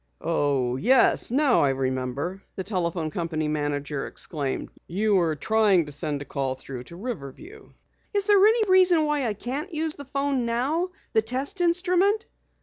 "Oh, yes, now I remember!" the telephone company manager exclaimed. "You're trying to send a call through to Riverview." "Is there any reason why I can't use the phone now the test instrument?"